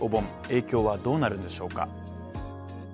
影響はどうなるんでしょうか。